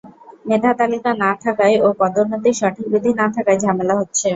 মেধাতালিকা না থাকায় ও পদোন্নতির সঠিক বিধি না থাকায় ঝামেলা হচ্ছে।